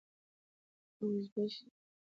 او اوږدې شي